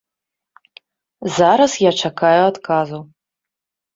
Зараз я чакаю адказу.